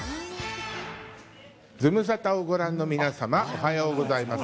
ズムサタをご覧の皆様、おはようございます。